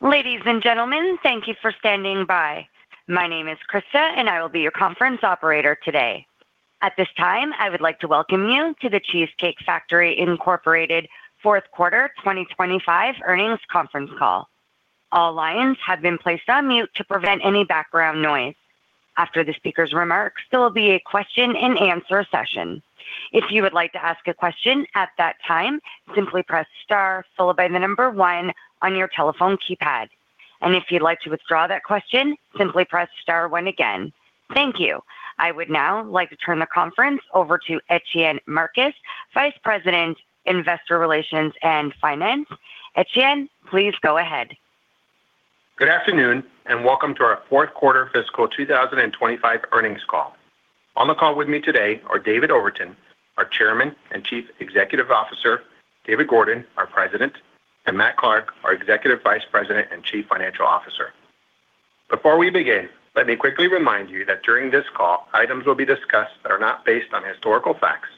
Ladies and gentlemen, thank you for standing by. My name is Krista, and I will be your conference operator today. At this time, I would like to welcome you to The Cheesecake Factory Incorporated Fourth Quarter 2025 Earnings Conference Call. All lines have been placed on mute to prevent any background noise. After the speaker's remarks, there will be a question-and-answer session. If you would like to ask a question at that time, simply press star followed by the number one on your telephone keypad. And if you'd like to withdraw that question, simply press star one again. Thank you. I would now like to turn the conference over to Etienne Marcus, Vice President, Investor Relations and Finance. Etienne, please go ahead. Good afternoon, and welcome to our Fourth Quarter Fiscal 2025 Earnings Call. On the call with me today are David Overton, our Chairman and Chief Executive Officer, David Gordon, our President, and Matt Clark, our Executive Vice President and Chief Financial Officer. Before we begin, let me quickly remind you that during this call, items will be discussed that are not based on historical facts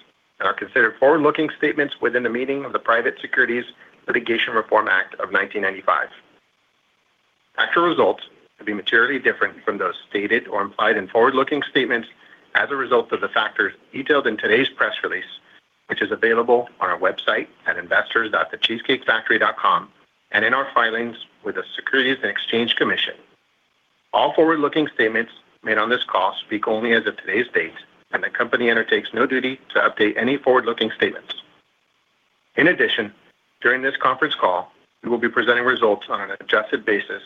and are considered forward-looking statements within the meaning of the Private Securities Litigation Reform Act of 1995. Actual results may be materially different from those stated or implied in forward-looking statements as a result of the factors detailed in today's press release, which is available on our website at investors.thecheesecakefactory.com, and in our filings with the Securities and Exchange Commission. All forward-looking statements made on this call speak only as of today's date, and the company undertakes no duty to update any forward-looking statements. In addition, during this conference call, we will be presenting results on an adjusted basis,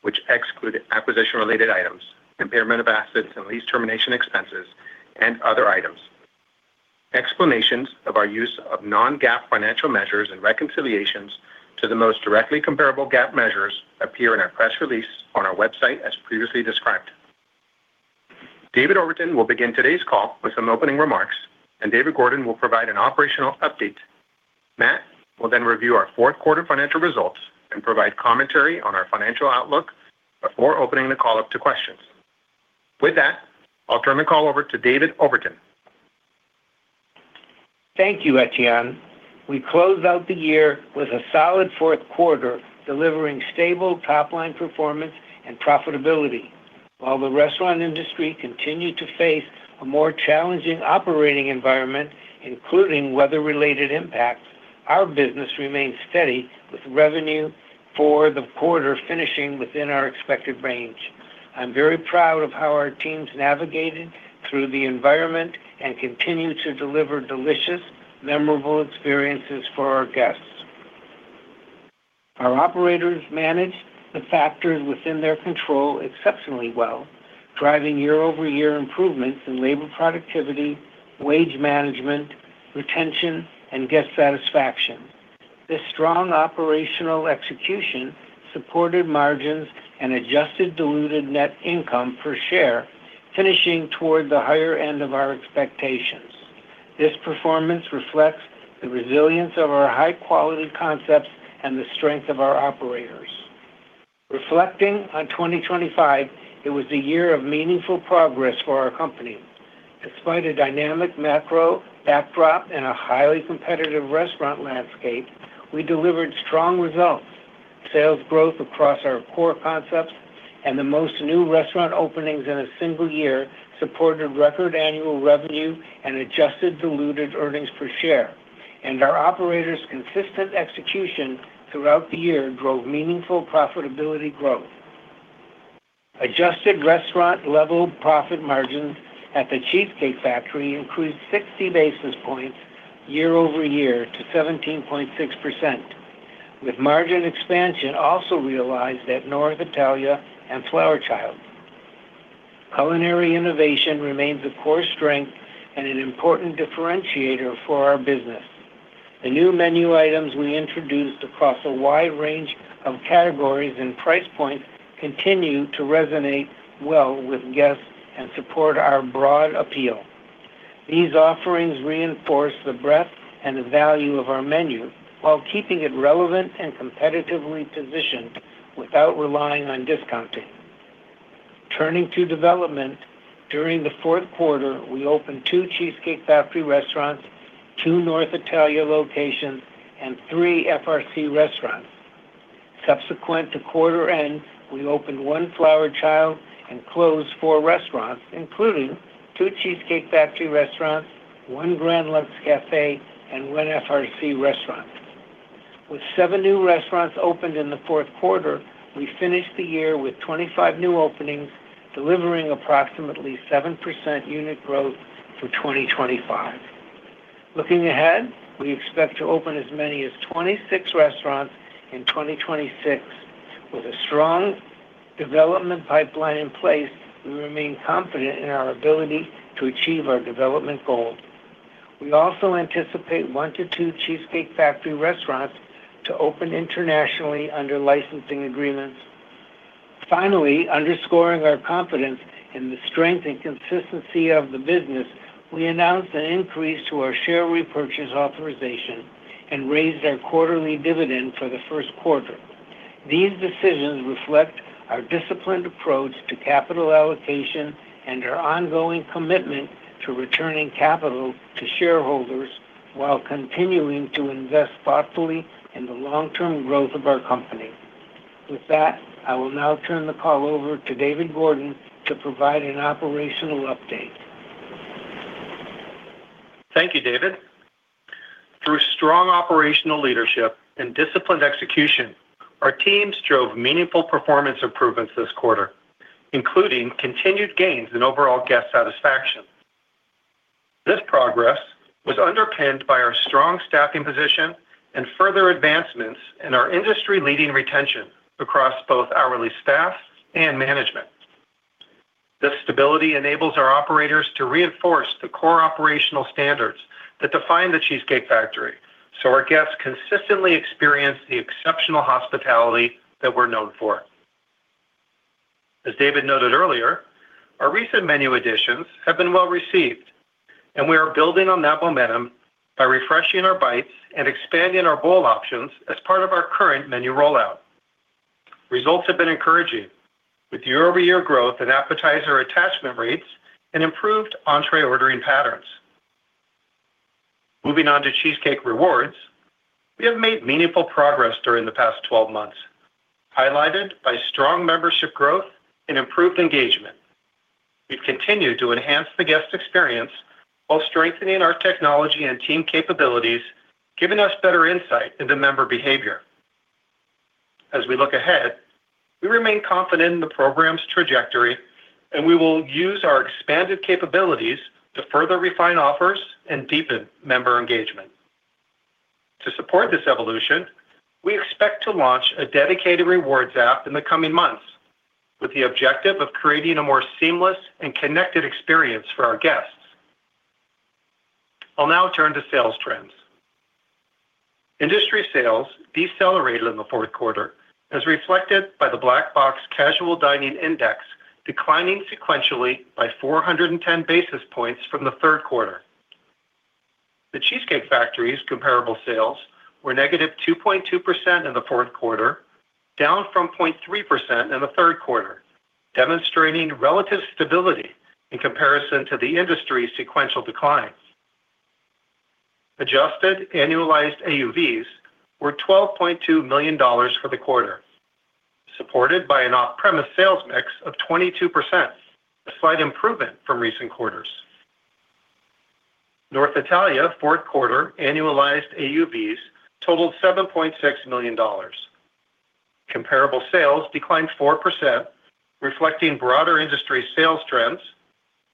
which exclude acquisition-related items, impairment of assets and lease termination expenses, and other items. Explanations of our use of non-GAAP financial measures and reconciliations to the most directly comparable GAAP measures appear in our press release on our website, as previously described. David Overton will begin today's call with some opening remarks, and David Gordon will provide an operational update. Matt will then review our fourth quarter financial results and provide commentary on our financial outlook before opening the call up to questions. With that, I'll turn the call over to David Overton. Thank you, Etienne. We closed out the year with a solid fourth quarter, delivering stable top-line performance and profitability. While the restaurant industry continued to face a more challenging operating environment, including weather-related impacts, our business remained steady, with revenue for the quarter finishing within our expected range. I'm very proud of how our teams navigated through the environment and continued to deliver delicious, memorable experiences for our guests. Our operators managed the factors within their control exceptionally well, driving year-over-year improvements in labor productivity, wage management, retention, and guest satisfaction. This strong operational execution supported margins and adjusted diluted net income per share, finishing toward the higher end of our expectations. This performance reflects the resilience of our high-quality concepts and the strength of our operators. Reflecting on 2025, it was a year of meaningful progress for our company. Despite a dynamic macro backdrop and a highly competitive restaurant landscape, we delivered strong results. Sales growth across our core concepts and the most new restaurant openings in a single year supported record annual revenue and adjusted diluted earnings per share, and our operators' consistent execution throughout the year drove meaningful profitability growth. Adjusted restaurant-level profit margins at The Cheesecake Factory increased 60 basis points year over year to 17.6%, with margin expansion also realized at North Italia and Flower Child. Culinary innovation remains a core strength and an important differentiator for our business. The new menu items we introduced across a wide range of categories and price points continue to resonate well with guests and support our broad appeal. These offerings reinforce the breadth and the value of our menu while keeping it relevant and competitively positioned without relying on discounting. Turning to development, during the fourth quarter, we opened Two Cheesecake Factory restaurants, Two North Italia locations, and Three FRC restaurants. Subsequent to quarter end, we opened One Flower Child and closed Four restaurants, including Two Cheesecake Factory restaurants, One Grand Lux Cafe, and 1 FRC restaurant. With seven new restaurants opened in the fourth quarter, we finished the year with 25 new openings, delivering approximately 7% unit growth for 2025. Looking ahead, we expect to open as many as 26 restaurants in 2026. With a strong development pipeline in place, we remain confident in our ability to achieve our development goals. We also anticipate one to two Cheesecake Factory restaurants to open internationally under licensing agreements. Finally, underscoring our confidence in the strength and consistency of the business, we announced an increase to our share repurchase authorization and raised our quarterly dividend for the first quarter. These decisions reflect our disciplined approach to capital allocation and our ongoing commitment to returning capital to shareholders while continuing to invest thoughtfully in the long-term growth of our company. With that, I will now turn the call over to David Gordon to provide an operational update. Thank you, David. Through strong operational leadership and disciplined execution, our teams drove meaningful performance improvements this quarter, including continued gains in overall guest satisfaction. This progress was underpinned by our strong staffing position and further advancements in our industry-leading retention across both hourly staff and management. This stability enables our operators to reinforce the core operational standards that define The Cheesecake Factory, so our guests consistently experience the exceptional hospitality that we're known for. As David noted earlier, our recent menu additions have been well received, and we are building on that momentum by refreshing our bites and expanding our bowl options as part of our current menu rollout. Results have been encouraging, with year-over-year growth in appetizer attachment rates and improved entree ordering patterns. Moving on to Cheesecake Rewards, we have made meaningful progress during the past 12 months, highlighted by strong membership growth and improved engagement. We've continued to enhance the guest experience while strengthening our technology and team capabilities, giving us better insight into member behavior. As we look ahead, we remain confident in the program's trajectory, and we will use our expanded capabilities to further refine offers and deepen member engagement. To support this evolution, we expect to launch a dedicated rewards app in the coming months, with the objective of creating a more seamless and connected experience for our guests. I'll now turn to sales trends. Industry sales decelerated in the fourth quarter, as reflected by the Black Box Casual Dining Index, declining sequentially by 410 basis points from the third quarter. The Cheesecake Factory's comparable sales were -2.2% in the fourth quarter, down from 0.3% in the third quarter, demonstrating relative stability in comparison to the industry's sequential declines. Adjusted annualized AUVs were $12.2 million for the quarter, supported by an off-premise sales mix of 22%, a slight improvement from recent quarters. North Italia fourth quarter annualized AUVs totaled $7.6 million. Comparable sales declined 4%, reflecting broader industry sales trends,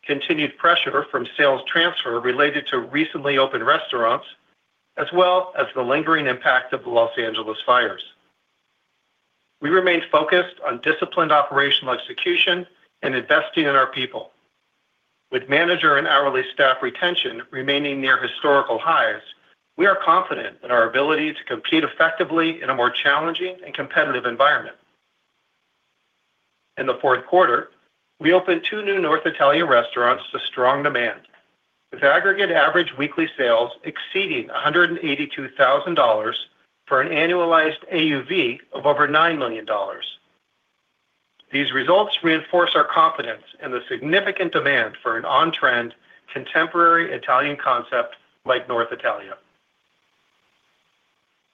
continued pressure from sales transfer related to recently opened restaurants, as well as the lingering impact of the Los Angeles fires. We remain focused on disciplined operational execution and investing in our people. With manager and hourly staff retention remaining near historical highs, we are confident in our ability to compete effectively in a more challenging and competitive environment. In the fourth quarter, we opened two new North Italia restaurants to strong demand, with aggregate average weekly sales exceeding $182,000 for an annualized AUV of over $9 million. These results reinforce our confidence in the significant demand for an on-trend, contemporary Italian concept like North Italia.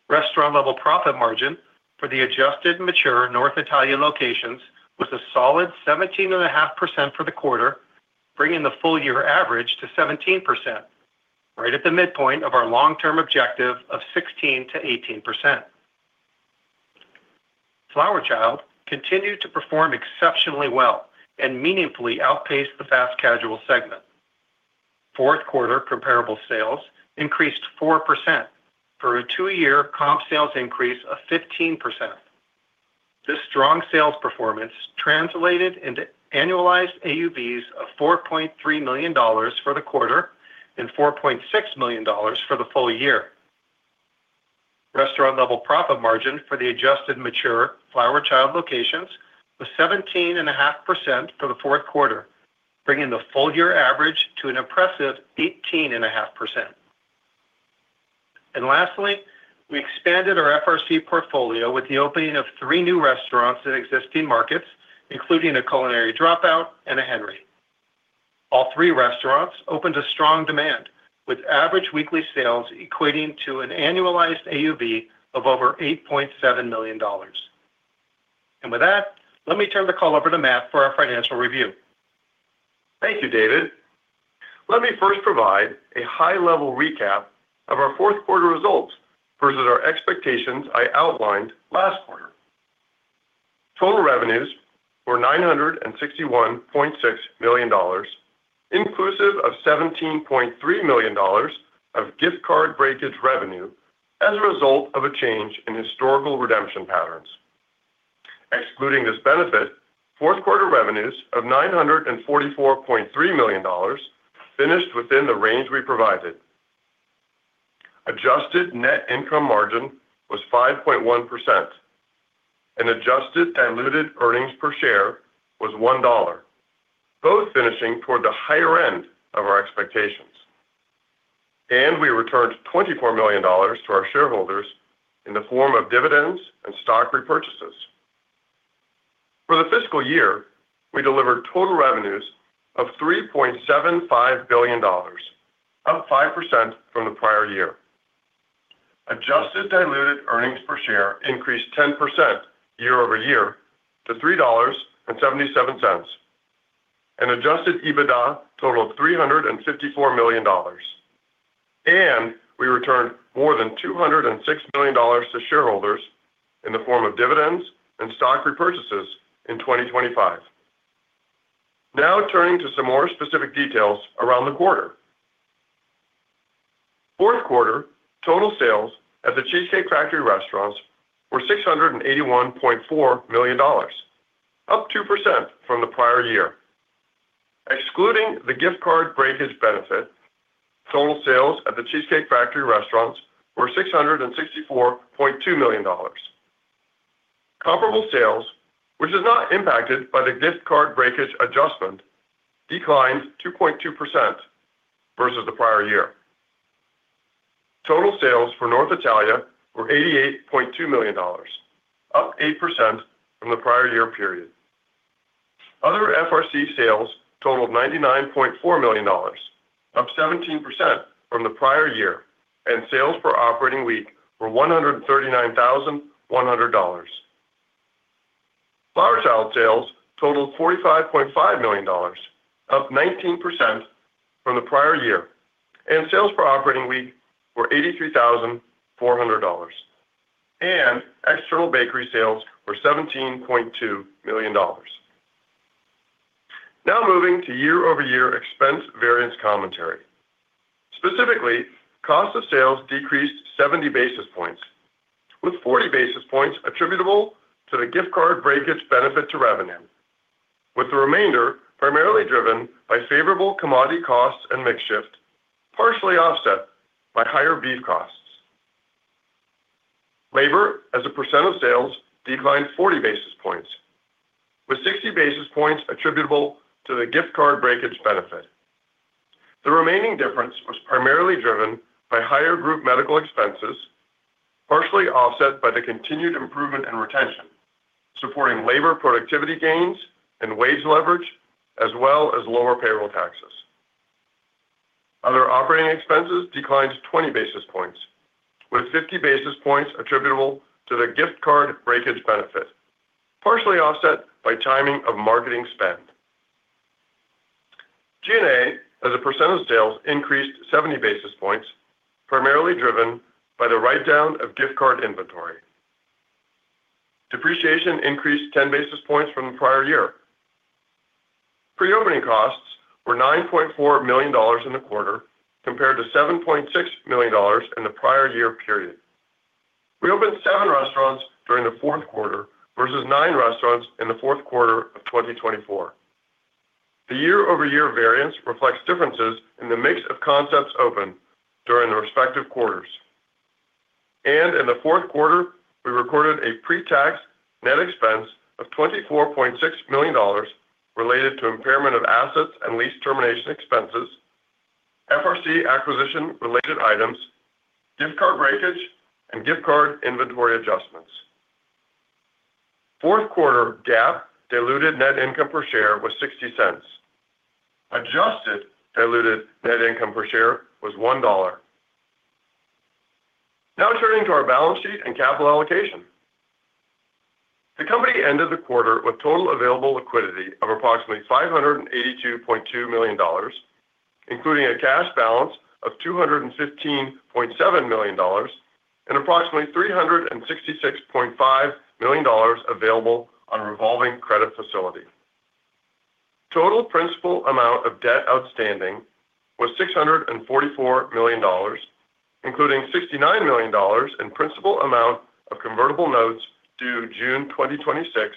Restaurant-level profit margin for the adjusted mature North Italia locations was a solid 17.5% for the quarter, bringing the full-year average to 17%, right at the midpoint of our long-term objective of 16%-18%. Flower Child continued to perform exceptionally well and meaningfully outpaced the fast casual segment. Fourth quarter comparable sales increased 4% for a two-year comp sales increase of 15%. This strong sales performance translated into annualized AUVs of $4.3 million for the quarter and $4.6 million for the full year. Restaurant-level profit margin for the adjusted mature Flower Child locations was 17.5% for the fourth quarter, bringing the full year average to an impressive 18.5%. Lastly, we expanded our FRC portfolio with the opening of three new restaurants in existing markets, including a Culinary Dropout and a Henry. All three restaurants opened to strong demand, with average weekly sales equating to an annualized AUV of over $8.7 million. With that, let me turn the call over to Matt for our financial review. Thank you, David. Let me first provide a high-level recap of our fourth quarter results versus our expectations I outlined last quarter. Total revenues were $961.6 million, inclusive of $17.3 million of gift card breakage revenue as a result of a change in historical redemption patterns. Excluding this benefit, fourth quarter revenues of $944.3 million finished within the range we provided. Adjusted net income margin was 5.1%, and adjusted diluted earnings per share was $1, both finishing toward the higher end of our expectations. We returned $24 million to our shareholders in the form of dividends and stock repurchases. For the fiscal year, we delivered total revenues of $3.75 billion, up 5% from the prior year. Adjusted diluted earnings per share increased 10% year-over-year to $3.77, and adjusted EBITDA totaled $354 million. And we returned more than $206 million to shareholders in the form of dividends and stock repurchases in 2025. Now, turning to some more specific details around the quarter. Fourth quarter total sales at The Cheesecake Factory restaurants were $681.4 million, up 2% from the prior year. Excluding the gift card breakage benefit, total sales at The Cheesecake Factory restaurants were $664.2 million. Comparable sales, which is not impacted by the gift card breakage adjustment, declined 2.2% versus the prior year. Total sales for North Italia were $88.2 million, up 8% from the prior year period. Other FRC sales totaled $99.4 million, up 17% from the prior year, and sales per operating week were $139,100. Flower Child sales totaled $45.5 million, up 19% from the prior year, and sales per operating week were $83,400, and external bakery sales were $17.2 million. Now moving to year-over-year expense variance commentary. Specifically, cost of sales decreased 70 basis points, with 40 basis points attributable to the gift card breakage benefit to revenue, with the remainder primarily driven by favorable commodity costs and mix shift, partially offset by higher beef costs. Labor, as a percent of sales, declined 40 basis points, with 60 basis points attributable to the gift card breakage benefit. The remaining difference was primarily driven by higher group medical expenses, partially offset by the continued improvement in retention, supporting labor productivity gains and wage leverage, as well as lower payroll taxes. Other operating expenses declined 20 basis points, with 50 basis points attributable to the gift card breakage benefit, partially offset by timing of marketing spend. G&A, as a percent of sales, increased 70 basis points, primarily driven by the write-down of gift card inventory. Depreciation increased 10 basis points from the prior year. Pre-opening costs were $9.4 million in the quarter, compared to $7.6 million in the prior year period. We opened seven restaurants during the fourth quarter, versus nine restaurants in the fourth quarter of 2024. The year-over-year variance reflects differences in the mix of concepts opened during the respective quarters. In the fourth quarter, we recorded a pre-tax net expense of $24.6 million related to impairment of assets and lease termination expenses, FRC acquisition-related items, gift card breakage, and gift card inventory adjustments. Fourth quarter GAAP diluted net income per share was $0.60. Adjusted diluted net income per share was $1. Now turning to our balance sheet and capital allocation. The company ended the quarter with total available liquidity of approximately $582.2 million, including a cash balance of $215.7 million, and approximately $366.5 million available on a revolving credit facility. Total principal amount of debt outstanding was $644 million, including $69 million in principal amount of convertible notes due June 2026,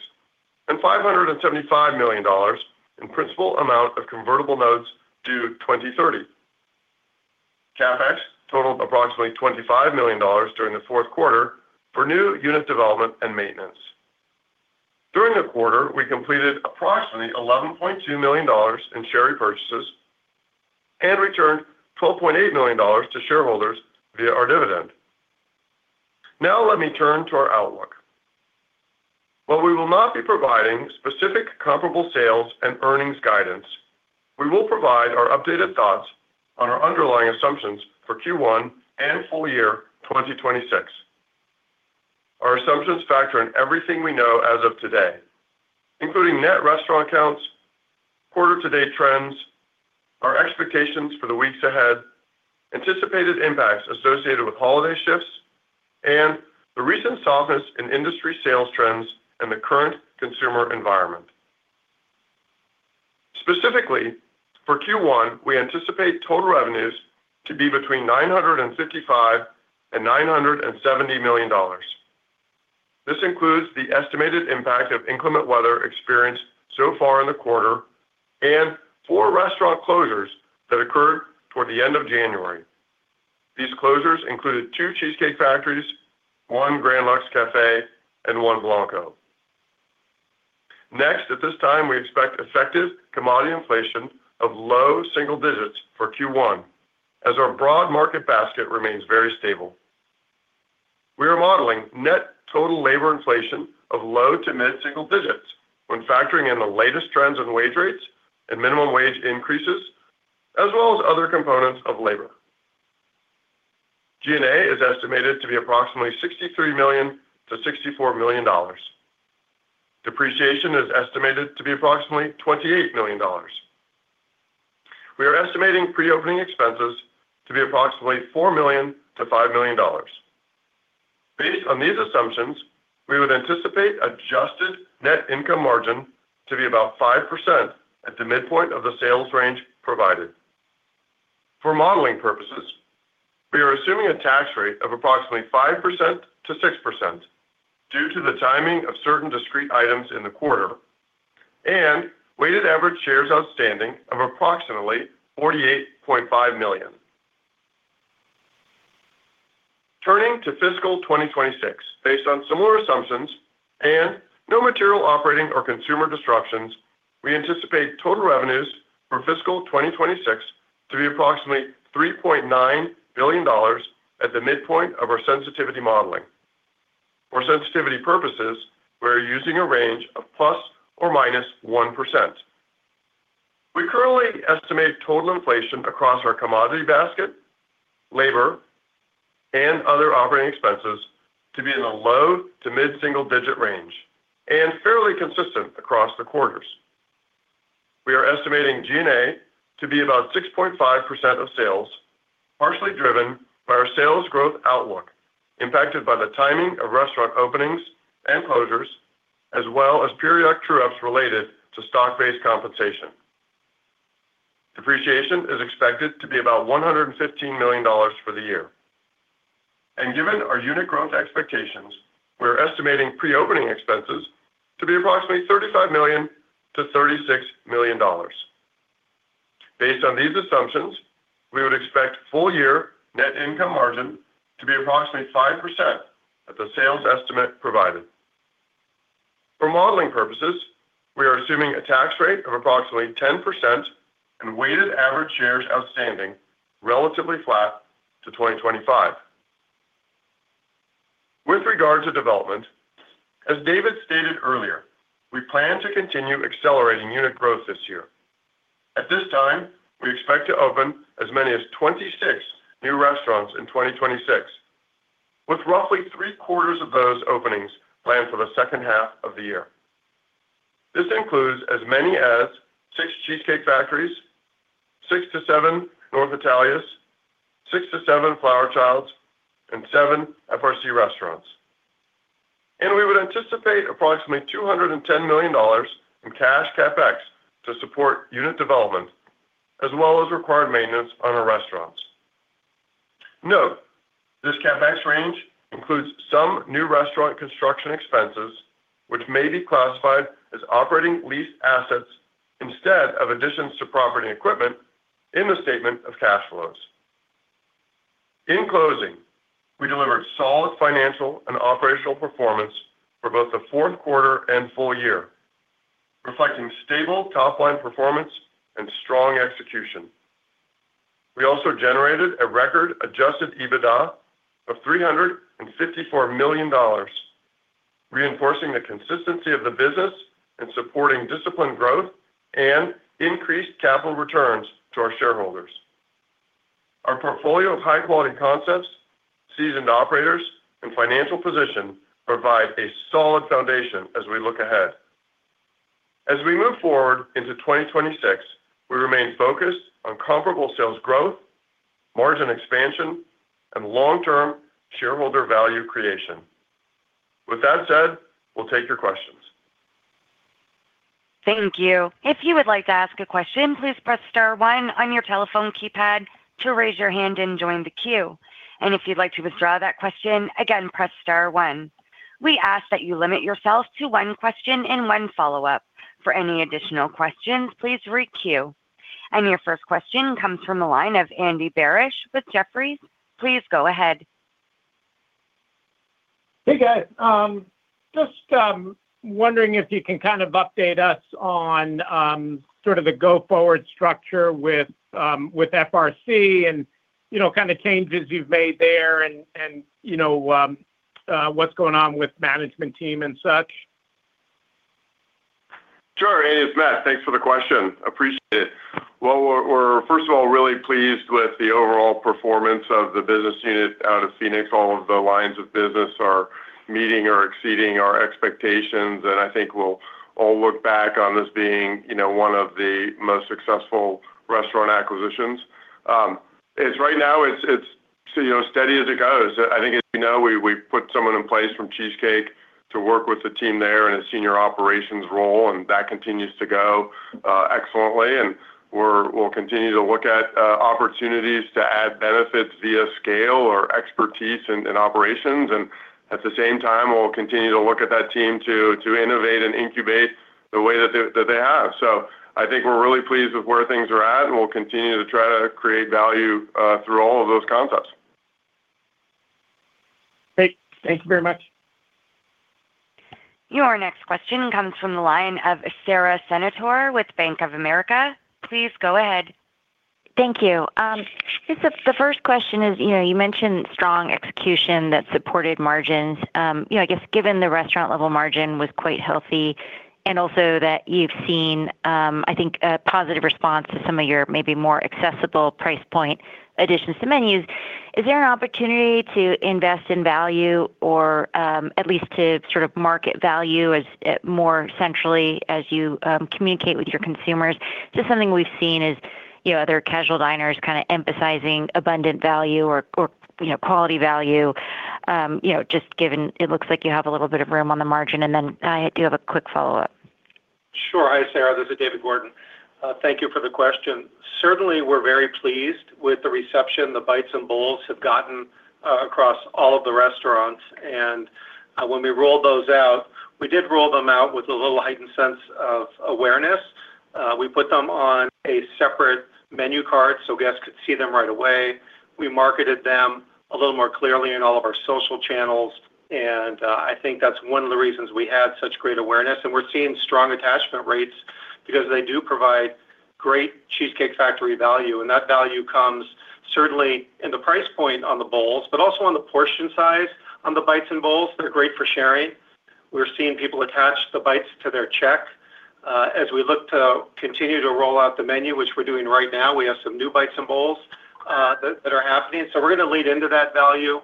and $575 million in principal amount of convertible notes due 2030. CapEx totaled approximately $25 million during the fourth quarter for new unit development and maintenance. During the quarter, we completed approximately $11.2 million in share repurchases and returned $12.8 million to shareholders via our dividend. Now let me turn to our outlook. While we will not be providing specific comparable sales and earnings guidance, we will provide our updated thoughts on our underlying assumptions for Q1 and full year 2026. Our assumptions factor in everything we know as of today, including net restaurant counts, quarter to date trends, our expectations for the weeks ahead, anticipated impacts associated with holiday shifts, and the recent softness in industry sales trends and the current consumer environment. Specifically, for Q1, we anticipate total revenues to be between $955 million and $970 million. This includes the estimated impact of inclement weather experienced so far in the quarter and four restaurant closures that occurred toward the end of January. These closures included two Cheesecake Factories, one Grand Lux Cafe, and one Blanco. Next, at this time, we expect effective commodity inflation of low single digits for Q1, as our broad market basket remains very stable. We are modeling net total labor inflation of low to mid-single digits when factoring in the latest trends in wage rates and minimum wage increases, as well as other components of labor. G&A is estimated to be approximately $63 million to $64 million. Depreciation is estimated to be approximately $28 million. We are estimating pre-opening expenses to be approximately $4 million to $5 million. Based on these assumptions, we would anticipate adjusted net income margin to be about 5% at the midpoint of the sales range provided. For modeling purposes, we are assuming a tax rate of approximately 5%-6% due to the timing of certain discrete items in the quarter, and weighted average shares outstanding of approximately 48.5 million. Turning to fiscal 2026, based on similar assumptions and no material operating or consumer disruptions, we anticipate total revenues for fiscal 2026 to be approximately $3.9 billion at the midpoint of our sensitivity modeling. For sensitivity purposes, we're using a range of ±1%. We currently estimate total inflation across our commodity basket, labor, and other operating expenses to be in the low- to mid-single-digit range and fairly consistent across the quarters. We are estimating G&A to be about 6.5% of sales, partially driven by our sales growth outlook, impacted by the timing of restaurant openings and closures, as well as periodic true-ups related to stock-based compensation. Depreciation is expected to be about $115 million for the year. And given our unit growth expectations, we're estimating pre-opening expenses to be approximately $35 million to $36 million. Based on these assumptions, we would expect full year net income margin to be approximately 5% at the sales estimate provided. For modeling purposes, we are assuming a tax rate of approximately 10% and weighted average shares outstanding relatively flat to 2025. With regard to development, as David stated earlier, we plan to continue accelerating unit growth this year. At this time, we expect to open as many as 26 new restaurants in 2026, with roughly three-quarters of those openings planned for the second half of the year. This includes as many as 6 Cheesecake Factories, six to seven North Italia, six to seven Flower Childs, and seven FRC restaurants. We would anticipate approximately $210 million in cash CapEx to support unit development, as well as required maintenance on our restaurants. Note, this CapEx range includes some new restaurant construction expenses, which may be classified as operating lease assets instead of additions to property and equipment in the statement of cash flows. In closing, we delivered solid financial and operational performance for both the fourth quarter and full year, reflecting stable top-line performance and strong execution. We also generated a record adjusted EBITDA of $354 million, reinforcing the consistency of the business and supporting disciplined growth and increased capital returns to our shareholders. Our portfolio of high-quality concepts, seasoned operators, and financial position provide a solid foundation as we look ahead. As we move forward into 2026, we remain focused on comparable sales growth, margin expansion, and long-term shareholder value creation. With that said, we'll take your questions. Thank you. If you would like to ask a question, please press star one on your telephone keypad to raise your hand and join the queue. If you'd like to withdraw that question, again, press star one. We ask that you limit yourself to one question and one follow-up. For any additional questions, please re-queue. Your first question comes from the line of Andy Barish with Jefferies. Please go ahead. Hey, guys. Just wondering if you can kind of update us on sort of the go-forward structure with FRC and, you know, kind of changes you've made there and what's going on with management team and such? Sure. It is Matt. Thanks for the question. Appreciate it. Well, we're, we're first of all, really pleased with the overall performance of the business unit out of Phoenix. All of the lines of business are meeting or exceeding our expectations, and I think we'll all look back on this being, you know, one of the most successful restaurant acquisitions. As right now, it's, it's, you know, steady as it goes. I think, as you know, we, we put someone in place from Cheesecake to work with the team there in a senior operations role, and that continues to go excellently. And we're, we'll continue to look at opportunities to add benefits via scale or expertise in, in operations. And at the same time, we'll continue to look at that team to, to innovate and incubate the way that they, that they have. So I think we're really pleased with where things are at, and we'll continue to try to create value through all of those concepts. Great. Thank you very much. Your next question comes from the line of Sara Senatore with Bank of America. Please go ahead. Thank you. I guess the first question is, you know, you mentioned strong execution that supported margins. You know, I guess given the restaurant level margin was quite healthy, and also that you've seen, I think, a positive response to some of your maybe more accessible price point additions to menus, is there an opportunity to invest in value or, at least to sort of market value as more centrally as you communicate with your consumers? Just something we've seen is, you know, other casual diners kinda emphasizing abundant value or, you know, quality value, you know, just given it looks like you have a little bit of room on the margin, and then I do have a quick follow-up. Sure. Hi, Sara, this is David Gordon. Thank you for the question. Certainly, we're very pleased with the reception the bites and bowls have gotten, across all of the restaurants, and when we rolled those out, we did roll them out with a little heightened sense of awareness. We put them on a separate menu card, so guests could see them right away. We marketed them a little more clearly in all of our social channels, and I think that's one of the reasons we had such great awareness. We're seeing strong attachment rates because they do provide great Cheesecake Factory value, and that value comes certainly in the price point on the bowls, but also on the portion size on the bites and bowls. They're great for sharing. We're seeing people attach the bites to their check. As we look to continue to roll out the menu, which we're doing right now, we have some new bites and bowls that are happening. So we're gonna lead into that value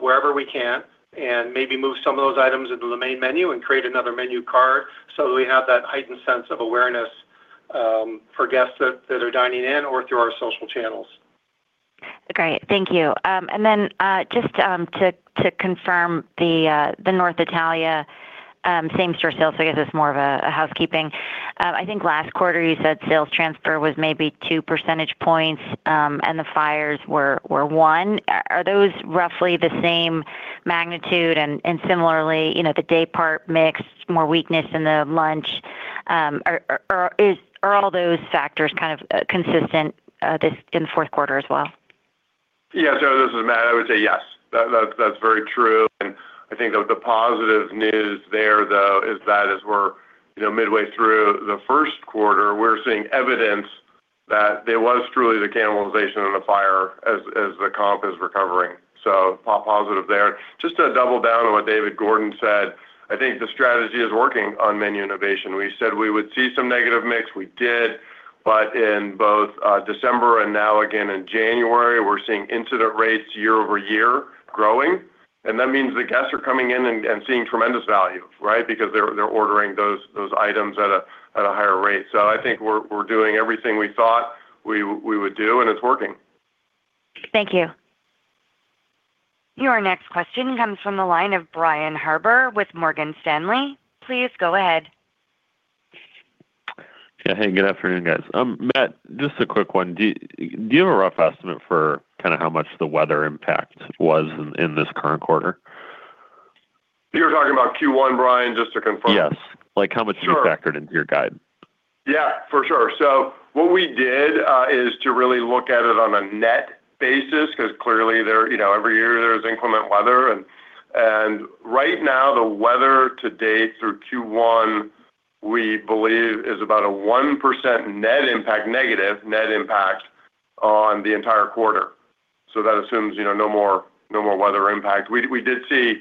wherever we can, and maybe move some of those items into the main menu and create another menu card so that we have that heightened sense of awareness for guests that are dining in or through our social channels. Great. Thank you. And then, just to confirm the North Italia same store sales, I guess it's more of a housekeeping. I think last quarter you said sales transfer was maybe two percentage points, and the fires were one. Are those roughly the same magnitude? And similarly, you know, the day part mix, more weakness in the lunch, or are all those factors kind of consistent in this fourth quarter as well? Yeah, so this is Matt. I would say yes. That, that, that's very true, and I think the, the positive news there, though, is that as we're, you know, midway through the first quarter, we're seeing evidence that there was truly the cannibalization in the fire as, as the comp is recovering. So comp positive there. Just to double down on what David Gordon said, I think the strategy is working on menu innovation. We said we would see some negative mix. We did, but in both, December and now again in January, we're seeing incident rates year over year growing, and that means the guests are coming in and, and seeing tremendous value, right? Because they're, they're ordering those, those items at a, at a higher rate. So I think we're, we're doing everything we thought we, we would do, and it's working. Thank you. Your next question comes from the line of Brian Harbour with Morgan Stanley. Please go ahead. Yeah. Hey, good afternoon, guys. Matt, just a quick one. Do you have a rough estimate for kinda how much the weather impact was in this current quarter? You're talking about Q1, Brian, just to confirm? Yes. Like, how much Sure Is factored into your guide? Yeah, for sure. So what we did is to really look at it on a net basis, 'cause clearly there, you know, every year there's inclement weather and right now, the weather to date through Q1, we believe, is about a 1% net impact, negative net impact on the entire quarter. So that assumes, you know, no more, no more weather impact. We did see,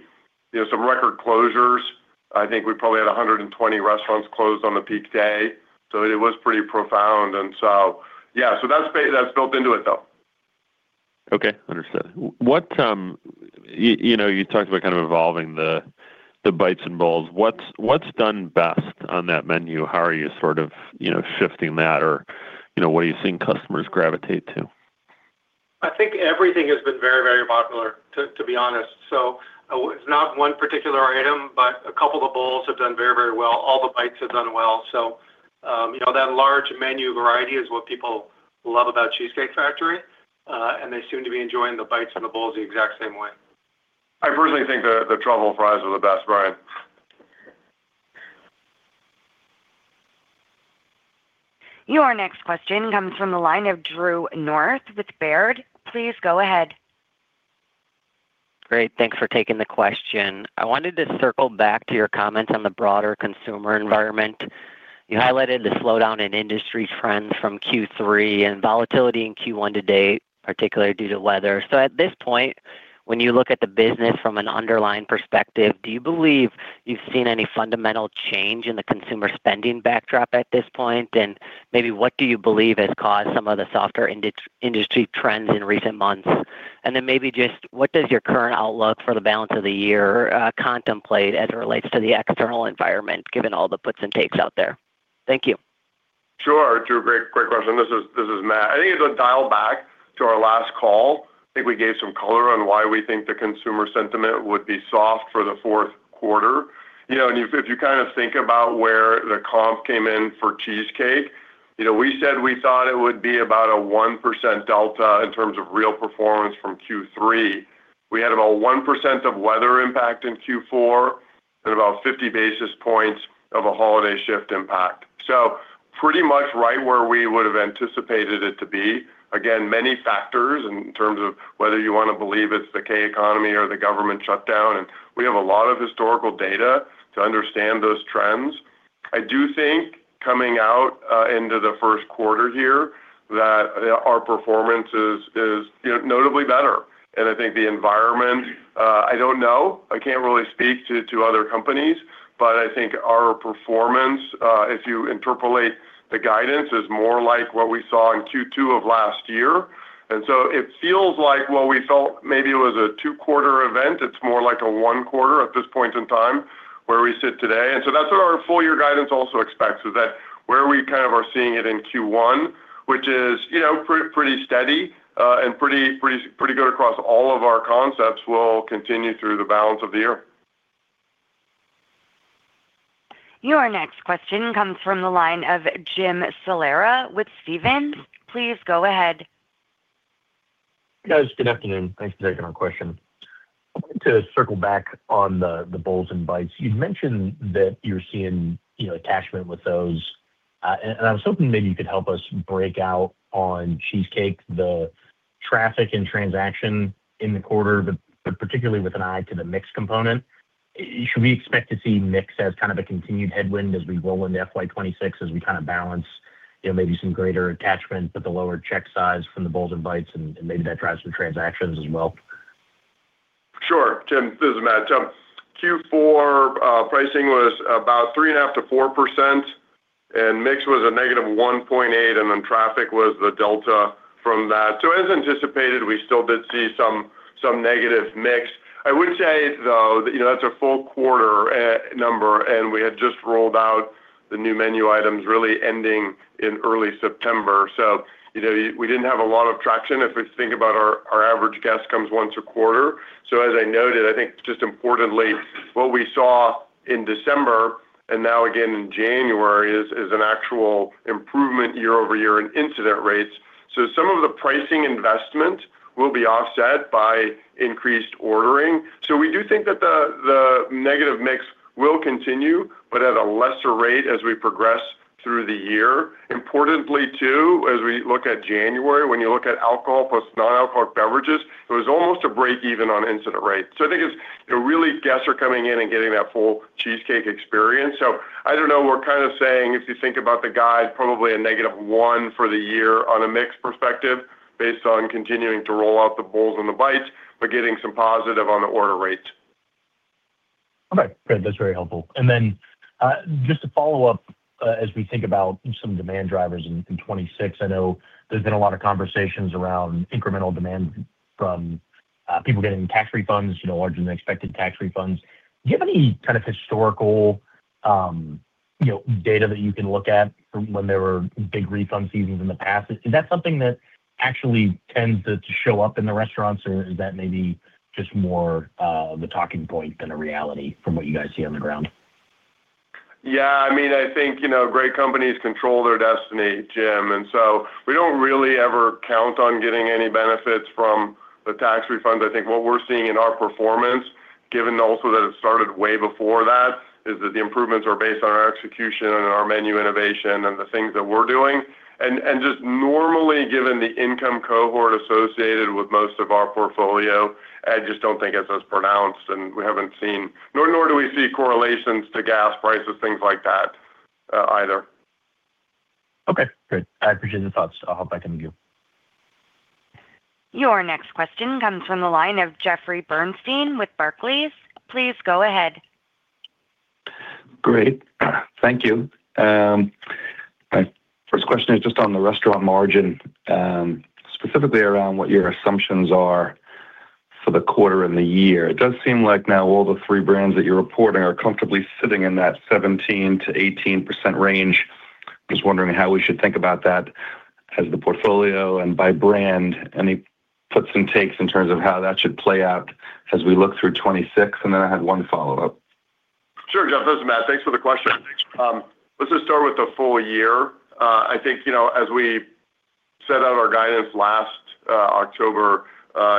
you know, some record closures. I think we probably had 120 restaurants closed on a peak day, so it was pretty profound. And so, yeah, so that's built into it, though. Okay, understood. What, you know, you talked about kind of evolving the bites and bowls. What's done best on that menu? How are you sort of, you know, shifting that or, you know, what are you seeing customers gravitate to? I think everything has been very, very popular, to be honest. So, it's not one particular item, but a couple of the bowls have done very, very well. All the bites have done well. So, you know, that large menu variety is what people love about Cheesecake Factory, and they seem to be enjoying the bites and the bowls the exact same way. I personally think the truffle fries are the best, Brian. Your next question comes from the line of Drew North with Baird. Please go ahead. Great. Thanks for taking the question. I wanted to circle back to your comments on the broader consumer environment. You highlighted the slowdown in industry trends from Q3 and volatility in Q1 to date, particularly due to weather. So at this point, when you look at the business from an underlying perspective, do you believe you've seen any fundamental change in the consumer spending backdrop at this point? And maybe what do you believe has caused some of the softer industry trends in recent months? And then maybe just what does your current outlook for the balance of the year contemplate as it relates to the external environment, given all the puts and takes out there? Thank you. Sure, Drew. Great, great question. This is, this is Matt. I think it's a dial back to our last call. I think we gave some color on why we think the consumer sentiment would be soft for the fourth quarter. You know, and if, if you kind of think about where the comp came in for Cheesecake, you know, we said we thought it would be about a 1% delta in terms of real performance from Q3. We had about 1% of weather impact in Q4 and about 50 basis points of a holiday shift impact. So. Pretty much right where we would have anticipated it to be. Again, many factors in terms of whether you want to believe it's the K economy or the government shutdown, and we have a lot of historical data to understand those trends. I do think coming out into the first quarter here, that our performance is, you know, notably better. And I think the environment, I don't know, I can't really speak to other companies, but I think our performance, if you interpolate the guidance, is more like what we saw in Q2 of last year. And so it feels like what we felt maybe it was a two-quarter event. It's more like a one quarter at this point in time where we sit today. And so that's what our full year guidance also expects, is that where we kind of are seeing it in Q1, which is, you know, pretty steady and pretty good across all of our concepts will continue through the balance of the year. Your next question comes from the line of Jim Salera with Stephens. Please go ahead. Guys, good afternoon. Thanks for taking our question. I wanted to circle back on the bowls and bites. You'd mentioned that you're seeing, you know, attachment with those. And I was hoping maybe you could help us break out on cheesecake, the traffic and transaction in the quarter, but particularly with an eye to the mixed component. Should we expect to see mix as kind of a continued headwind as we roll into FY 2026, as we kinda balance, you know, maybe some greater attachment, but the lower check size from the bowls and bites, and maybe that drives some transactions as well? Sure, Jim, this is Matt. Q4 pricing was about 3.5%-4%, and mix was a negative 1.8%, and then traffic was the delta from that. As anticipated, we still did see some negative mix. I would say, though, that, you know, that's a full quarter number, and we had just rolled out the new menu items, really ending in early September. You know, we didn't have a lot of traction if we think about our average guest comes once a quarter. As I noted, I think just importantly, what we saw in December and now again in January, is an actual improvement year-over-year in incident rates. Some of the pricing investment will be offset by increased ordering. So we do think that the negative mix will continue, but at a lesser rate as we progress through the year. Importantly, too, as we look at January, when you look at alcohol plus non-alcohol beverages, it was almost a break even on incident rates. So I think it's, you know, really, guests are coming in and getting that full cheesecake experience. So I don't know, we're kind of saying, if you think about the guide, probably a negative one for the year on a mix perspective, based on continuing to roll out the bowls and the bites, but getting some positive on the order rates. Okay, good. That's very helpful. And then, just to follow up, as we think about some demand drivers in 2026, I know there's been a lot of conversations around incremental demand from people getting tax refunds, you know, larger than expected tax refunds. Do you have any kind of historical, you know, data that you can look at from when there were big refund seasons in the past? Is that something that actually tends to show up in the restaurants, or is that maybe just more the talking point than a reality from what you guys see on the ground? Yeah, I mean, I think, you know, great companies control their destiny, Jim, and so we don't really ever count on getting any benefits from the tax refunds. I think what we're seeing in our performance, given also that it started way before that, is that the improvements are based on our execution and our menu innovation and the things that we're doing. And just normally, given the income cohort associated with most of our portfolio, I just don't think it's as pronounced, and we haven't seen, nor do we see correlations to gas prices, things like that, either. Okay, good. I appreciate the thoughts. I'll hop back into you. Your next question comes from the line of Jeffrey Bernstein with Barclays. Please go ahead. Great. Thank you. My first question is just on the restaurant margin, specifically around what your assumptions are for the quarter and the year. It does seem like now all the three brands that you're reporting are comfortably sitting in that 17%-18% range. Just wondering how we should think about that as the portfolio and by brand, any puts and takes in terms of how that should play out as we look through 2026, and then I had one follow-up. Sure, Jeff, this is Matt. Thanks for the question. Let's just start with the full year. I think, you know, as we set out our guidance last October,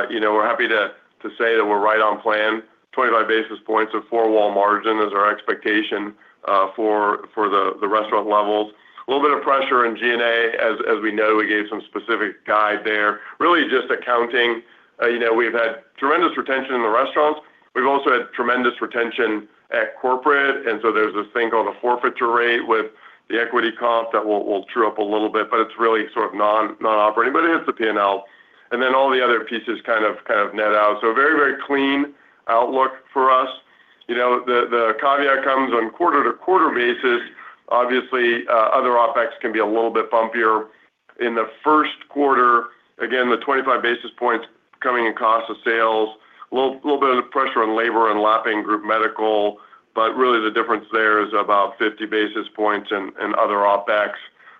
you know, we're happy to say that we're right on plan. 25 basis points of four-wall margin is our expectation for the restaurant levels. A little bit of pressure in G&A, as we know, we gave some specific guide there. Really just accounting. You know, we've had tremendous retention in the restaurants. We've also had tremendous retention at corporate, and so there's this thing called a forfeiture rate with the equity comp that will true up a little bit, but it's really sort of non-operating, but it's the P&L, and then all the other pieces kind of net out. So very, very clean outlook for us. You know, the caveat comes on quarter-to-quarter basis. Obviously, other OpEx can be a little bit bumpier. In the first quarter, again, the 25 basis points coming in cost of sales, a little bit of pressure on labor and lapping group medical, but really the difference there is about 50 basis points and other OpEx,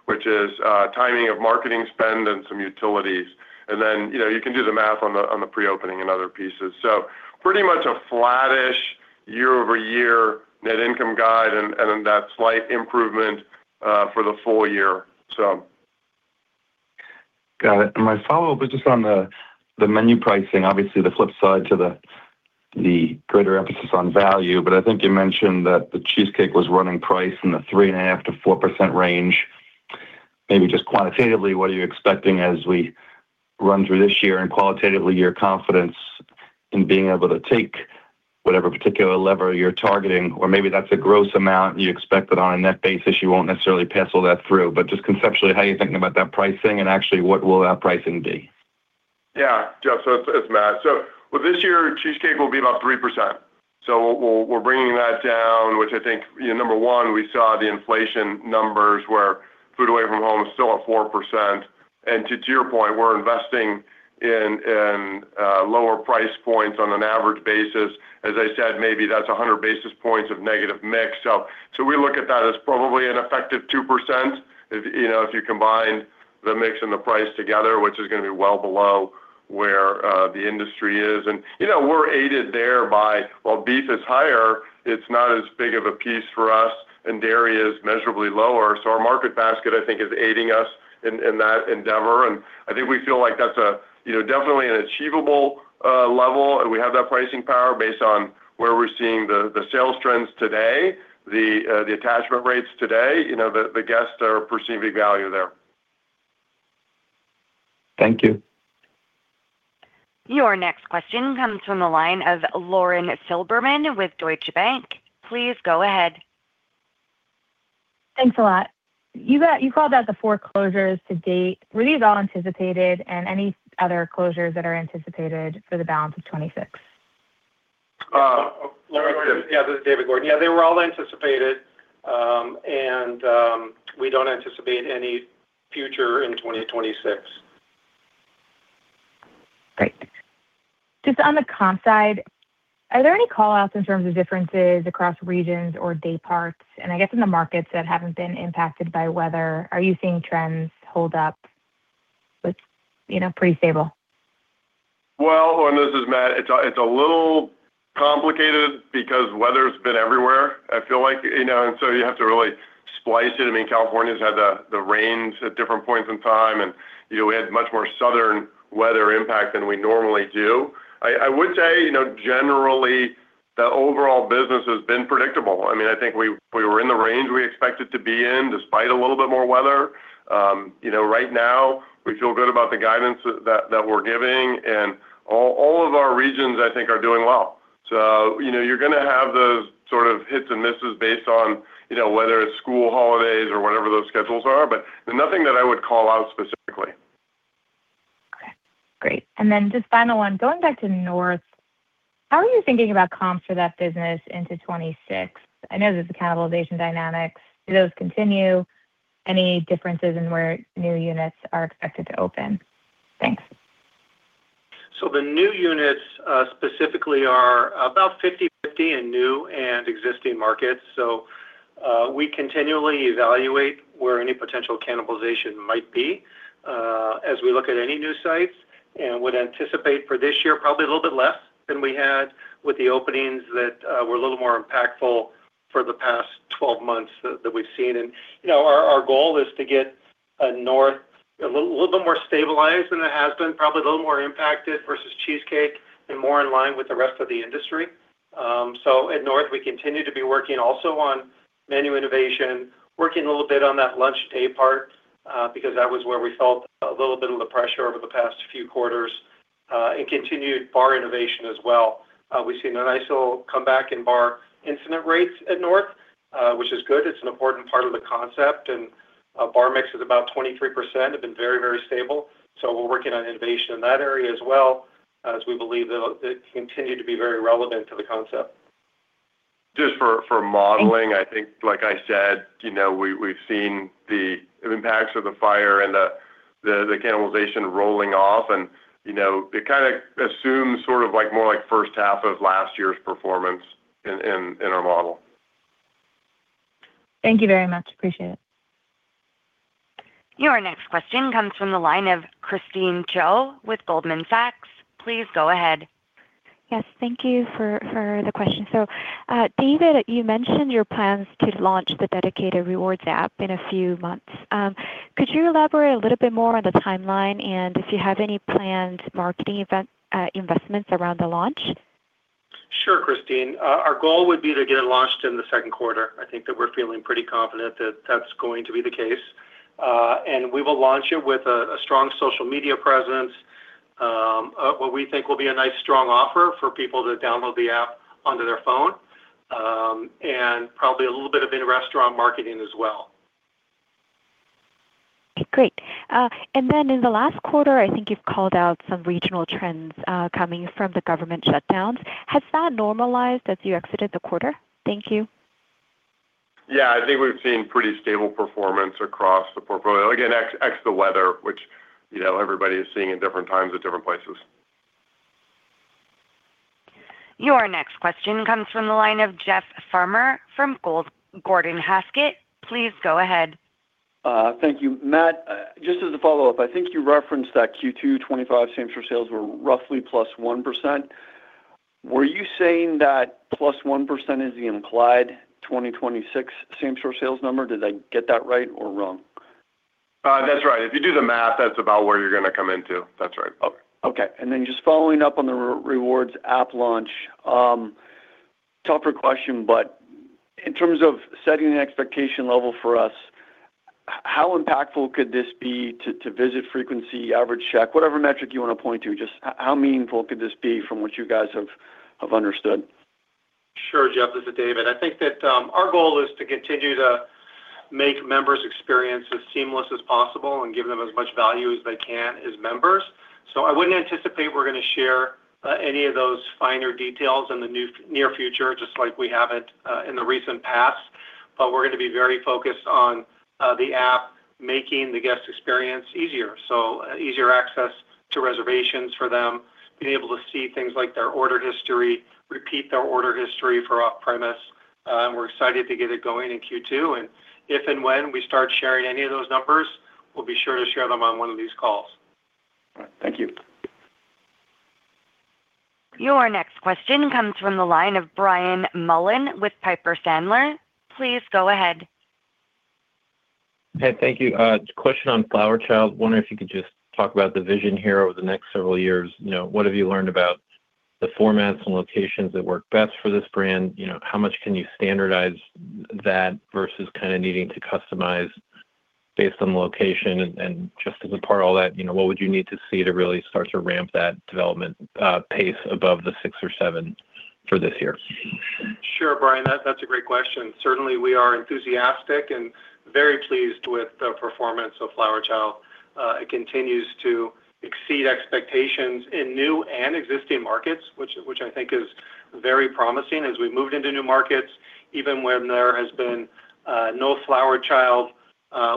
which is timing of marketing spend and some utilities. And then, you know, you can do the math on the pre-opening and other pieces. So pretty much a flattish year-over-year net income guide and then that slight improvement for the full year. So Got it. And my follow-up is just on the menu pricing, obviously the flip side to the greater emphasis on value. But I think you mentioned that the Cheesecake was running price in the 3.5%-4% range. Maybe just quantitatively, what are you expecting as we run through this year and qualitatively, your confidence in being able to take whatever particular lever you're targeting, or maybe that's a gross amount you expect that on a net basis, you won't necessarily pencil that through. But just conceptually, how are you thinking about that pricing, and actually, what will that pricing be? Yeah, Jeff, so it's Matt. So with this year, Cheesecake will be about 3%. So we're, we're bringing that down, which I think, you know, number one, we saw the inflation numbers where food away from home is still at 4%. And to, to your point, we're investing in, in, lower price points on an average basis. As I said, maybe that's 100 basis points of negative mix. So, so we look at that as probably an effective 2% if, you know, if you combine the mix and the price together, which is going to be well below where the industry is. And, you know, we're aided there by, while beef is higher, it's not as big of a piece for us, and dairy is measurably lower. So our market basket, I think, is aiding us in, in that endeavor. I think we feel like that's a, you know, definitely an achievable level, and we have that pricing power based on where we're seeing the sales trends today, the attachment rates today. You know, the guests are perceiving value there. Thank you. Your next question comes from the line of Lauren Silberman with Deutsche Bank. Please go ahead. Thanks a lot. You called out the four closures to date. Were these all anticipated, and any other closures that are anticipated for the balance of 2026? Lauren, yeah, this is David Gordon. Yeah, they were all anticipated, and we don't anticipate any future in 2026. Great. Just on the comp side, are there any call-outs in terms of differences across regions or day parts? And I guess in the markets that haven't been impacted by weather, are you seeing trends hold up with, you know, pretty stable? Well, and this is Matt. It's a little complicated because weather's been everywhere, I feel like, you know, and so you have to really splice it. I mean, California's had the rains at different points in time, and, you know, we had much more southern weather impact than we normally do. I would say, you know, generally, the overall business has been predictable. I mean, I think we were in the range we expected to be in, despite a little bit more weather. You know, right now, we feel good about the guidance that we're giving, and all of our regions, I think, are doing well. You know, you're going to have those sort of hits and misses based on, you know, whether it's school holidays or whatever those schedules are, but nothing that I would call out specifically. Okay, great. And then just final one, going back to North, how are you thinking about comps for that business into 2026? I know there's a cannibalization dynamics. Do those continue? Any differences in where new units are expected to open? Thanks. The new units specifically are about 50/50 in new and existing markets. We continually evaluate where any potential cannibalization might be as we look at any new sites, and would anticipate for this year, probably a little bit less than we had with the openings that were a little more impactful for the past 12 months that we've seen. You know, our goal is to get North a little, little bit more stabilized than it has been, probably a little more impacted versus Cheesecake and more in line with the rest of the industry. So at North, we continue to be working also on menu innovation, working a little bit on that lunch day part, because that was where we felt a little bit of the pressure over the past few quarters, and continued bar innovation as well. We've seen a nice little comeback in bar incident rates at North, which is good. It's an important part of the concept, and our bar mix is about 23%, have been very, very stable. So we're working on innovation in that area as well, as we believe that it continued to be very relevant to the concept. Just for modeling, I think, like I said, you know, we, we've seen the impacts of the fire and the cannibalization rolling off and, you know, it kinda assumes sort of like, more like first half of last year's performance in our model. Thank you very much. Appreciate it. Your next question comes from the line of Christine Cho with Goldman Sachs. Please go ahead. Yes, thank you for the question. So, David, you mentioned your plans to launch the dedicated rewards app in a few months. Could you elaborate a little bit more on the timeline and if you have any planned marketing event, investments around the launch? Sure, Christine. Our goal would be to get it launched in the second quarter. I think that we're feeling pretty confident that that's going to be the case. And we will launch it with a strong social media presence, what we think will be a nice, strong offer for people to download the app onto their phone, and probably a little bit of in-restaurant marketing as well. Okay, great. And then in the last quarter, I think you've called out some regional trends, coming from the government shutdowns. Has that normalized as you exited the quarter? Thank you. Yeah, I think we've seen pretty stable performance across the portfolio. Again, ex the weather, which, you know, everybody is seeing at different times at different places. Your next question comes from the line of Jeff Farmer from Gordon Haskett. Please go ahead. Thank you. Matt, just as a follow-up, I think you referenced that Q2 2025 same-store sales were roughly +1%. Were you saying that +1% is the implied 2026 same-store sales number? Did I get that right or wrong? That's right. If you do the math, that's about where you're going to come into. That's right. Okay. And then just following up on the rewards app launch, tougher question, but in terms of setting the expectation level for us, how impactful could this be to visit frequency, average check, whatever metric you want to point to, just how meaningful could this be from what you guys have understood? Sure, Jeff, this is David. I think that our goal is to continue to make members' experience as seamless as possible and give them as much value as they can as members. So I wouldn't anticipate we're going to share any of those finer details in the near future, just like we haven't in the recent past, but we're going to be very focused on the app, making the guest experience easier. So easier access to reservations for them, being able to see things like their order history, repeat their order history for off-premise, and we're excited to get it going in Q2. And if and when we start sharing any of those numbers, we'll be sure to share them on one of these calls. All right. Thank you. Your next question comes from the line of Brian Mullan with Piper Sandler. Please go ahead. Hey, thank you. Question on Flower Child. Wondering if you could just talk about the vision here over the next several years. You know, what have you learned about the formats and locations that work best for this brand? You know, how much can you standardize that versus kind of needing to customize based on location? And just as a part of all that, you know, what would you need to see to really start to ramp that development pace above the six or seven for this year? Sure, Brian, that, that's a great question. Certainly, we are enthusiastic and very pleased with the performance of Flower Child. It continues to exceed expectations in new and existing markets, which I think is very promising. As we moved into new markets, even when there has been no Flower Child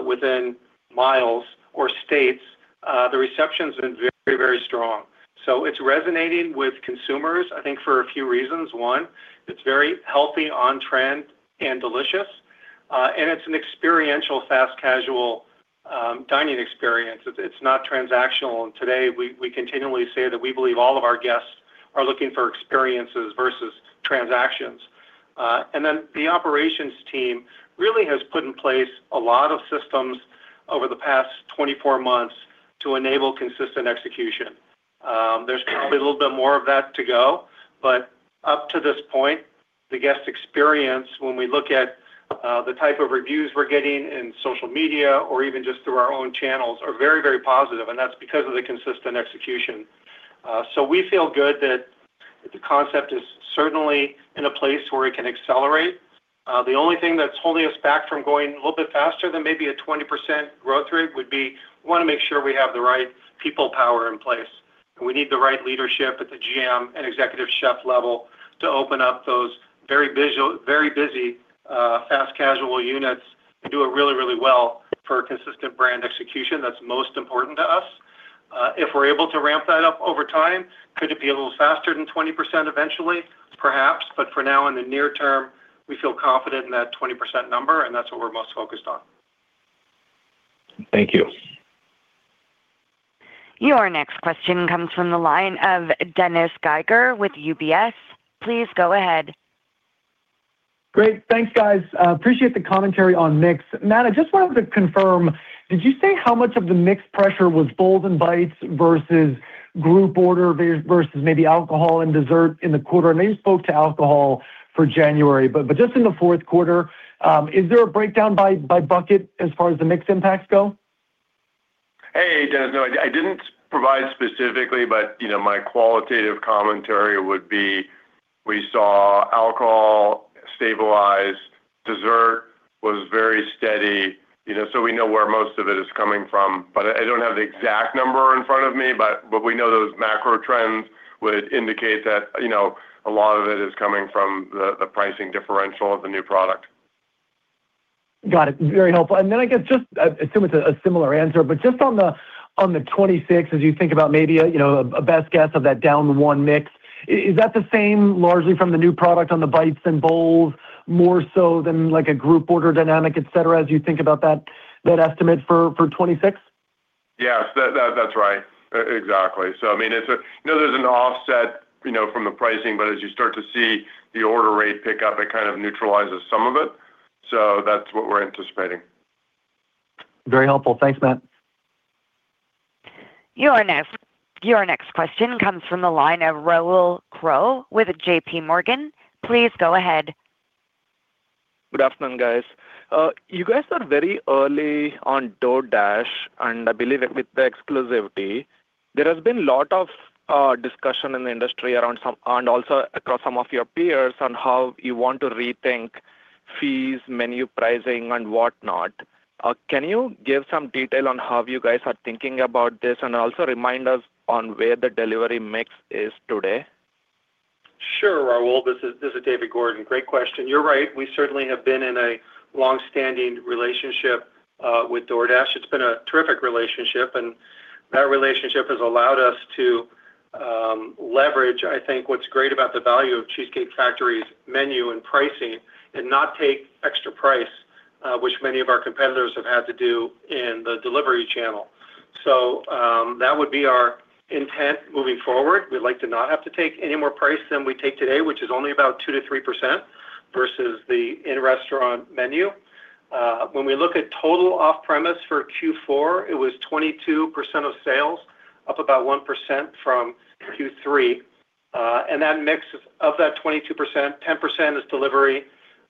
within miles or states, the reception's been very, very strong. So it's resonating with consumers, I think, for a few reasons. One, it's very healthy, on trend, and delicious, and it's an experiential fast casual dining experience. It's not transactional. And today we continually say that we believe all of our guests are looking for experiences versus transactions. And then the operations team really has put in place a lot of systems over the past 24 months to enable consistent execution. There's probably a little bit more of that to go, but up to this point, the guest experience, when we look at the type of reviews we're getting in social media or even just through our own channels, are very, very positive, and that's because of the consistent execution. So we feel good that the concept is certainly in a place where it can accelerate. The only thing that's holding us back from going a little bit faster than maybe a 20% growth rate would be, we want to make sure we have the right people power in place. And we need the right leadership at the GM and executive chef level to open up those very busy fast casual units and do it really, really well for a consistent brand execution. That's most important to us. If we're able to ramp that up over time, could it be a little faster than 20% eventually? Perhaps, but for now, in the near term, we feel confident in that 20% number, and that's what we're most focused on. Thank you. Your next question comes from the line of Dennis Geiger with UBS. Please go ahead. Great. Thanks, guys. Appreciate the commentary on mix. Matt, I just wanted to confirm, did you say how much of the mix pressure was bowls and bites versus group order versus maybe alcohol and dessert in the quarter? I know you spoke to alcohol for January, but just in the fourth quarter, is there a breakdown by bucket as far as the mix impacts go? Hey, Dennis. No, I didn't provide specifically, but, you know, my qualitative commentary would be we saw alcohol stabilize, dessert was very steady, you know, so we know where most of it is coming from. But I don't have the exact number in front of me, but we know those macro trends would indicate that, you know, a lot of it is coming from the pricing differential of the new product. Got it. Very helpful. And then I guess just assume it's a similar answer, but just on the 2026, as you think about maybe, you know, a best guess of that down 1 mix, is that the same largely from the new product on the bites and bowls, more so than like a group order dynamic, et cetera, as you think about that estimate for 2026? Yes, that's right. Exactly. So, I mean, it's a you know, there's an offset, you know, from the pricing, but as you start to see the order rate pick up, it kind of neutralizes some of it. So that's what we're anticipating. Very helpful. Thanks, Matt. Your next question comes from the line of Rahul Krotthapalli with JP Morgan. Please go ahead. Good afternoon, guys. You guys are very early on DoorDash, and I believe with the exclusivity, there has been a lot of discussion in the industry around, and also across some of your peers on how you want to rethink fees, menu pricing, and whatnot. Can you give some detail on how you guys are thinking about this, and also remind us on where the delivery mix is today? Sure, Rahul. This is, this is David Gordon. Great question. You're right, we certainly have been in a long-standing relationship with DoorDash. It's been a terrific relationship, and that relationship has allowed us to leverage, I think, what's great about the value of Cheesecake Factory's menu and pricing and not take extra price, which many of our competitors have had to do in the delivery channel. So, that would be our intent moving forward. We'd like to not have to take any more price than we take today, which is only about 2%-3% versus the in-restaurant menu. When we look at total off-premise for Q4, it was 22% of sales, up about 1% from Q3. And that mix of that 22%, 10% is delivery,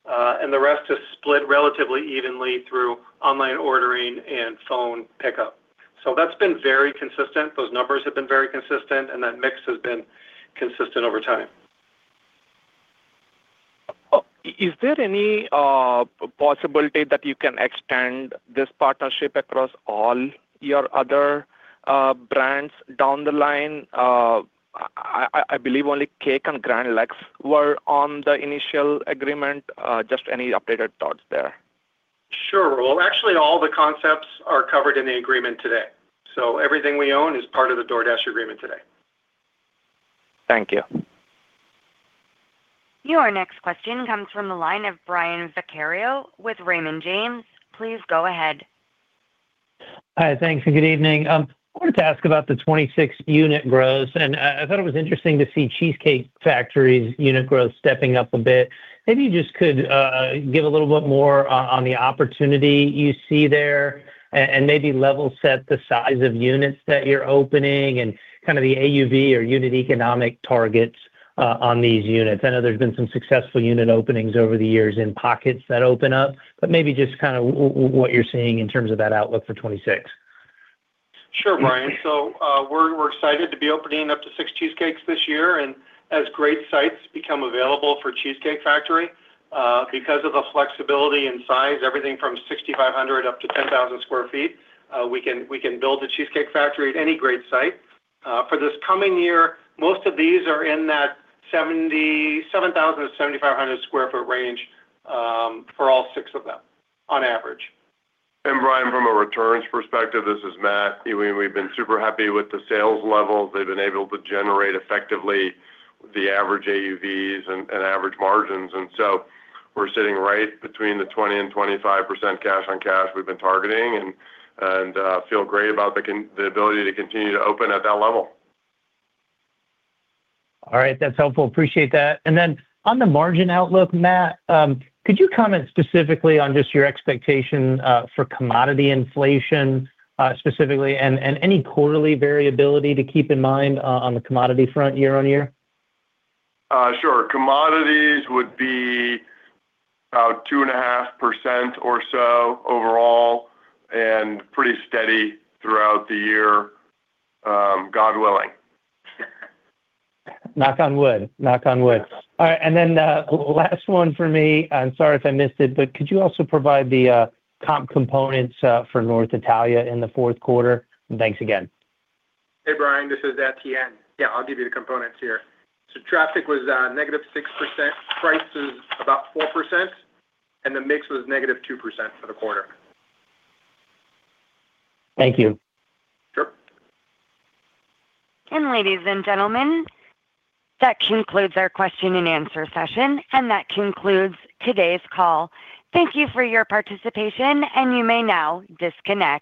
and the rest is split relatively evenly through online ordering and phone pickup. So that's been very consistent. Those numbers have been very consistent, and that mix has been consistent over time. Is there any possibility that you can extend this partnership across all your other brands down the line? I believe only Cake and Grand Lux were on the initial agreement. Just any updated thoughts there? Sure. Well, actually, all the concepts are covered in the agreement today. So everything we own is part of the DoorDash agreement today. Thank you. Your next question comes from the line of Brian Vaccaro with Raymond James. Please go ahead. Hi, thanks, and good evening. I wanted to ask about the 26 unit growth, and I thought it was interesting to see Cheesecake Factory's unit growth stepping up a bit. Maybe you just could give a little bit more on the opportunity you see there, and maybe level set the size of units that you're opening and kind of the AUV or unit economic targets on these units. I know there's been some successful unit openings over the years in pockets that open up, but maybe just kind of what you're seeing in terms of that outlook for 26. Sure, Brian. We're excited to be opening up to six Cheesecakes this year, and as great sites become available for The Cheesecake Factory, because of the flexibility and size, everything from 6,500 up to 10,000 sq ft, we can build a Cheesecake Factory at any great site. For this coming year, most of these are in that 7,000-7,500 sq ft range, for all 6 of them, on average. And Brian, from a returns perspective, this is Matt. We've been super happy with the sales levels. They've been able to generate effectively the average AUVs and average margins. And so we're sitting right between 20% and 25% cash on cash we've been targeting and feel great about the ability to continue to open at that level. All right. That's helpful. Appreciate that. On the margin outlook, Matt, could you comment specifically on just your expectation for commodity inflation, specifically, and any quarterly variability to keep in mind on the commodity front year on year? Sure. Commodities would be about 2.5% or so overall, and pretty steady throughout the year, God willing. Knock on wood. Knock on wood. All right, and then, last one for me, I'm sorry if I missed it, but could you also provide the, top components, for North Italia in the fourth quarter? Thanks again. Hey, Brian, this is Etienne. Yeah, I'll give you the components here. So traffic was negative 6%, prices about 4%, and the mix was -2% for the quarter. Thank you. Sure. Ladies and gentlemen, that concludes our question and answer session, and that concludes today's call. Thank you for your participation, and you may now disconnect.